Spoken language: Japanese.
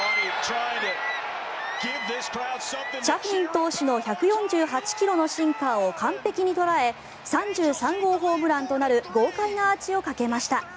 チャフィン投手の１４８ｋｍのシンカーを完璧に捉え３３号ホームランとなる豪快なアーチを架けました。